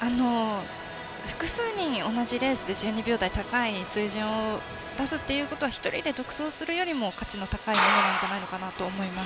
複数人、同じレースで１２秒台と高い水準を出すということは１人で独走するよりも価値の高いものだと思います。